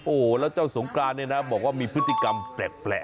โอ้โหแล้วเจ้าสงกรานเนี่ยนะบอกว่ามีพฤติกรรมแปลก